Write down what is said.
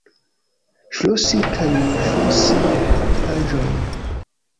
Ŝlosi kaj malŝlosi paĝojn.